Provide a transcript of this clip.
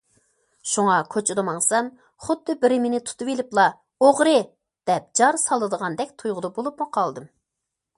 شۇڭا كوچىدا ماڭسام، خۇددى بىرى مېنى تۇتۇۋېلىپلا« ئوغرى!» دەپ جار سالىدىغاندەك تۇيغۇدا بولۇپمۇ قالدىم.